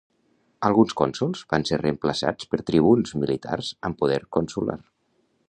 Alguns cònsols van ser reemplaçats per tribuns militars amb poder consular.